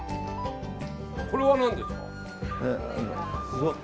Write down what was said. これは何ですか？